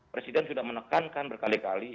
presiden sudah menekankan berkali kali